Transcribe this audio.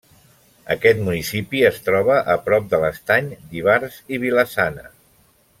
Aquest municipi es troba a prop de l'Estany d'Ivars i Vila-Sana.